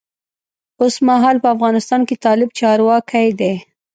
اوسمهال په افغانستان کې طالب چارواکی دی.